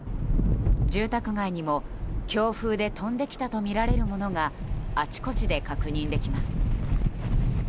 住宅街にも、強風で飛んできたとみられるものがあちこちで確認できます。